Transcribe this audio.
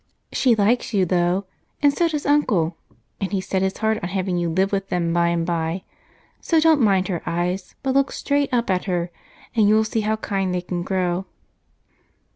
"She likes you, though, and so does Uncle, and he's set his heart on having you live with them by and by, so don't mind her eyes but look straight up at her, and you'll see how kind they can grow."